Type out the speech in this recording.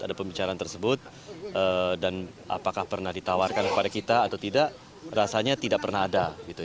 ada pembicaraan tersebut dan apakah pernah ditawarkan kepada kita atau tidak rasanya tidak pernah ada